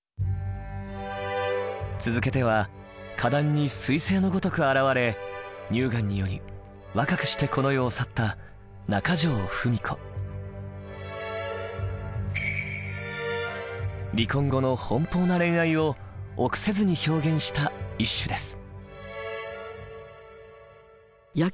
続けては歌壇にすい星のごとく現れ乳がんにより若くしてこの世を去った離婚後の奔放な恋愛を臆せずに表現した一首です。